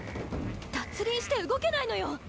脱輪して動けないのよ！